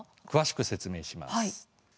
詳しく説明します。